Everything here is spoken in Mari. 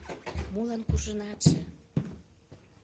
— Молан куржынатше?